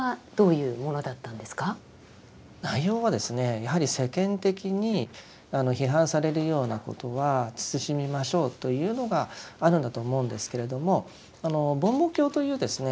内容はですねやはり世間的に批判されるようなことは慎みましょうというのがあるんだと思うんですけれども梵網経というですね